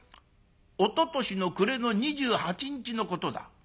おととしの暮れの２８日のことだ」。